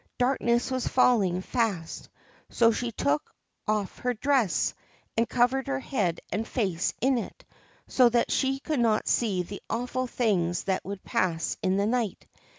Darkness was falling fast, so she took off her dress and covered her head and face in it, so that she could not see the awful things that would pass in the night.